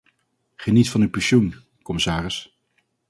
Geniet van uw pensioen, commissaris.